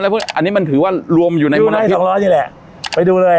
อะไรพวกนี้อันนี้มันถือว่ารวมอยู่ในดูไล่สองร้อนนี่แหละไปดูเลย